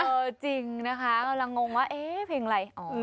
เออจริงนะคะแล้วลองงว่าเอ๊ะเพลงอะไร